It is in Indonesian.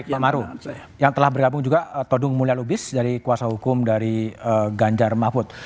pak maru yang telah bergabung juga todung mulya lubis dari kuasa hukum dari ganjar mahfud